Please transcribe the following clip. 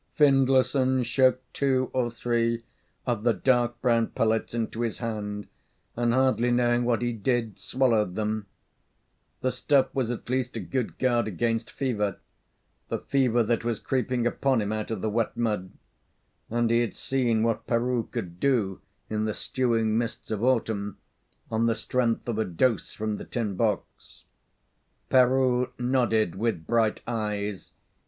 Findlayson shook two or three of the dark brown pellets into his hand, and hardly knowing what he did, swallowed them. The stuff was at least a good guard against fever the fever that was creeping upon him out of the wet mud and he had seen what Peroo could do in the stewing mists of autumn on the strength of a dose from the tin box. Peroo nodded with bright eyes.